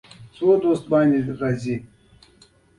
تاریخ هېڅ شک نه پرېږدي چې اړیکه دې موجوده وي.